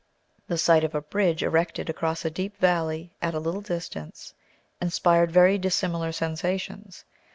The sight of a bridge erected across a deep valley, at a little distance, inspired very dissimilar sensations.